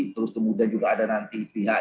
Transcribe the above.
terus kemudian juga ada nanti pihak